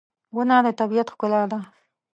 • ونه د طبیعت ښکلا ده.